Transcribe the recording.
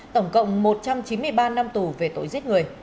tổng cộng một trăm chín mươi ba năm tù về tội giết người